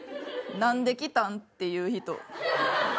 何で来たん？っていう人。